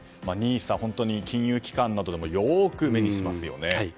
本当に金融機関などでもよく目にしますよね。